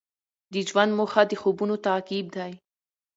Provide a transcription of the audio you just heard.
د ژوند موخه د خوبونو تعقیب دی.